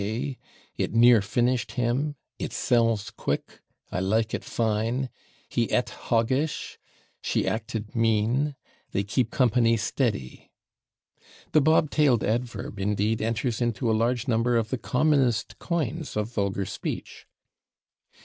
K./," "it /near/ finished him," "it sells /quick/," "I like it /fine/," "he et /hoggish/," "she acted /mean/," "they keep company /steady/." The bob tailed adverb, indeed, enters into a large number of the commonest coins of vulgar speech.